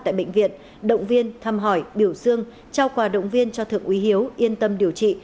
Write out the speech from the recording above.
tại bệnh viện động viên thăm hỏi biểu dương trao quà động viên cho thượng úy hiếu yên tâm điều trị